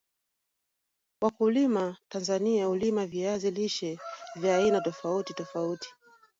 wakulima tanzania hulima viazi lishe vya aina tofauti tofauti